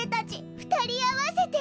ふたりあわせて。